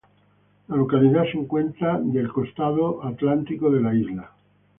La localidad se encuentra del costado Atlántico de la isla.